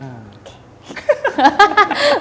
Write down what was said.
โอเค